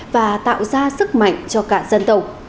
và tạo ra sức mạnh cho cả dân tộc